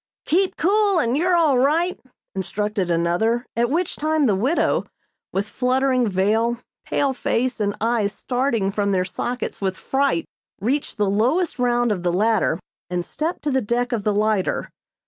"Keep cool and you're all right!" instructed another, at which time the widow, with fluttering veil, pale face and eyes starting from their sockets with fright reached the lowest round of the ladder and stepped to the deck of the lighter.